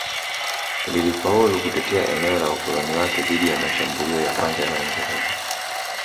Lilifaulu kutetea eneo la ukoloni wake dhidi ya mashambulio ya kwanza ya Waingereza